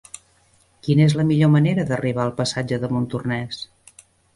Quina és la millor manera d'arribar al passatge de Montornès?